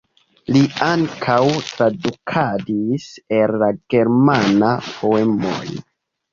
Li ankaŭ tradukadis el la germana poemojn.